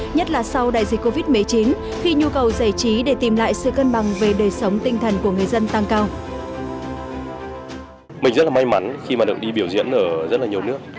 nhất là sau đại dịch covid một mươi chín khi nhu cầu giải trí để tìm lại sự cân bằng về đời sống tinh thần của người dân tăng cao